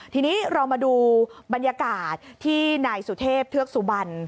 ทีนี้เรามาดูบรรยากาศที่นายสุเทพเทือกสุบัน